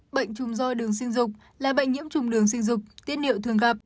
bệnh trùng do đường sinh dục là bệnh nhiễm trùng đường sinh dục tiết niệu thường gặp